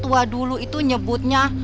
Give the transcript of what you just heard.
tua dulu itu nyebutnya